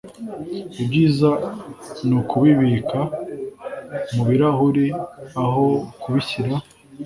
ibyiza ni ukubibika mu birahuri aho kubishyira